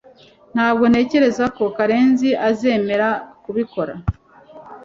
Ntabwo ntekereza ko Karenzi azemera kubikora